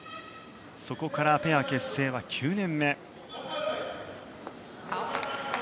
そこからペア結成は９年目。